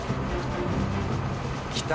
来た！